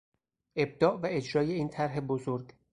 ابداع و اجرای این طرح بزرگ